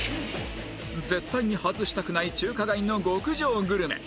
絶対に外したくない中華街の極上グルメ